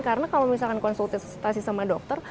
karena kalau misalkan konsultasi sama dokter